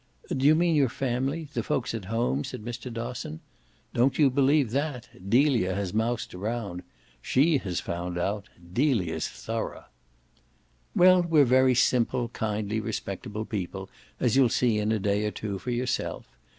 "Do you mean your family the folks at home?" said Mr. Dosson. "Don't you believe that. Delia has moused around SHE has found out. Delia's thorough!" "Well, we're very simple kindly respectable people, as you'll see in a day or two for yourself.